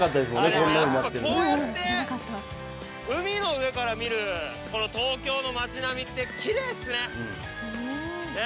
こうやって海の上から見る東京の街並みってきれいですね。